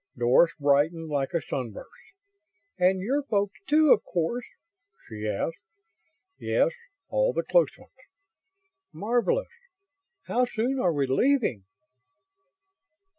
Doris brightened like a sunburst. "And your folks, too, of course?" she asked. "Yes, all the close ones." "Marvelous! How soon are we leaving?"